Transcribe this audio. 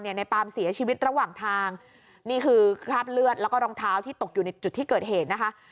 ในปามเสียชีวิตระหว่างทางนี่คือคราบเลือดแล้วก็รองเท้าที่ตกอยู่ในจุดที่เกิดเหตุนะคะ